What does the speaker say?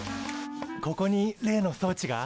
ここに例の装置が？